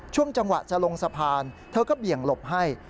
ช่วงจังหวะจะลงสะพานเธอก็เบี่ยงหลบให้